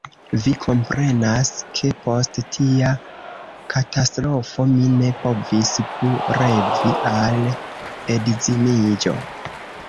Vi komprenas, ke post tia katastrofo mi ne povis plu revi al edziniĝo.